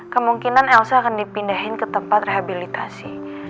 kemungkinan elsa akan dipindahin ke tempat rehabilitasi